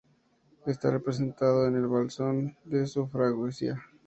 Está representado en el blasón de su "freguesia".